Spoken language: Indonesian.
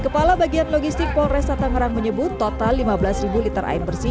kepala bagian logistik polres tangerang menyebut total lima belas liter air bersih